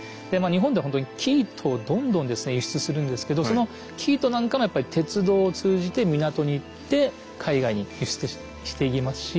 日本ではほんとに生糸をどんどん輸出するんですけどその生糸なんかもやっぱり鉄道を通じて港に行って海外に輸出していきますし。